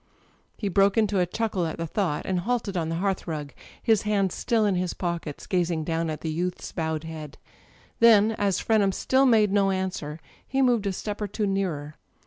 He broke into a chuckle at the thought, and halted on the hearth rug, his hands still in his pockets, gaz ing down at the youth's bowed head. Then, as Fren ham still made no answer, he moved a step or two nearer.